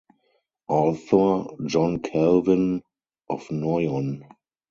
Author, John Calvin, Of Noyon.